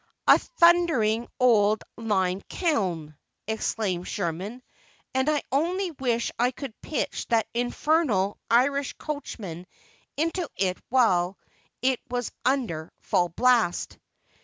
"A thundering old lime kiln!" exclaimed Sherman; "and I only wish I could pitch that infernal Irish coachman into it while it was under full blast!"